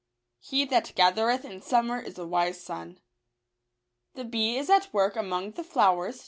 He that gathereth in summer is a wise son." The bee is at work among the flowers.